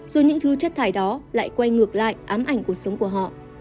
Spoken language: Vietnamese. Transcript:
rồi những thứ chất thải đó lại quay ngược lại ám ảnh cuộc sống của họ